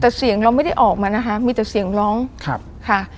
แต่เสียงเราไม่ได้ออกมานะคะมีแต่เสียงร้องค่ะ